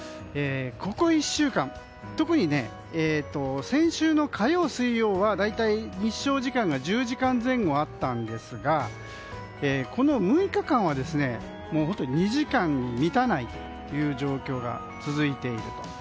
ここ１週間特に先週の火曜、水曜は大体、日照時間が１０時間前後あったんですがこの６日間は本当に２時間に満たないという状況が続いている。